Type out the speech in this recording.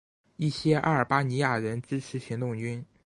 一些阿尔巴尼亚人支持行动军。